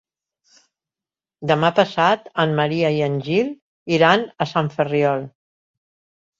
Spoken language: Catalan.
Demà passat en Maria i en Gil iran a Sant Ferriol.